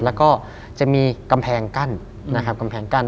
แล้วก็จะมีกำแพงกั้น